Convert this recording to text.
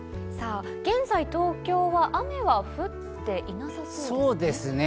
現在、東京は雨は降っていなさそうですね。